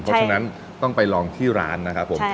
เพราะฉะนั้นต้องไปลองที่ร้านนะครับผม